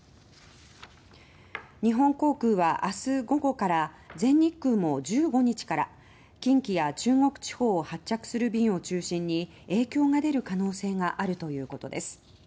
日本航空は明日午後から全日空も１５日から近畿や中国地方を発着する便を中心に影響が出る可能性があるということです。